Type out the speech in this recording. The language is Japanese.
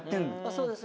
そうですよ。